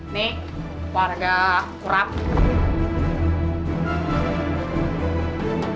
nih warga kurang